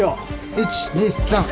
１２３！